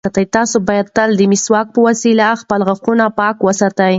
تاسو باید تل د مسواک په وسیله خپل غاښونه پاک وساتئ.